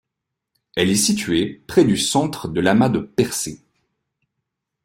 Elle est située près du centre de l'amas de Persée.